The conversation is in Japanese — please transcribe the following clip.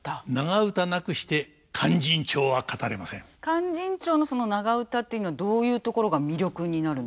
「勧進帳」のその長唄っていうのはどういうところが魅力になるんですか。